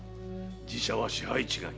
寺社は支配違い。